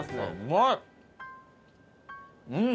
うん！